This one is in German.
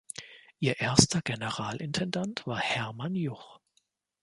Ihr erster Generalintendant war Hermann Juch.